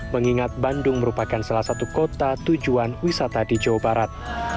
mengingat bandung merupakan salah satu kota tujuan wisata di jawa barat